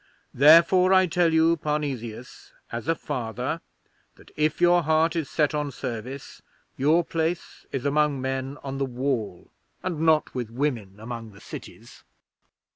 Therefore, I tell you, Parnesius, as a Father, that if your heart is set on service, your place is among men on the Wall and not with women among the cities."'